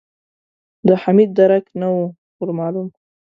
د حميد درک نه و ور مالوم.